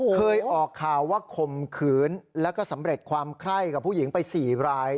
เคยออกข่าวว่าข่มขืนแล้วก็สำเร็จความไคร้กับผู้หญิงไป๔ราย